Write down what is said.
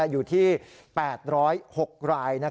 อยู่ที่๘๐๖ราย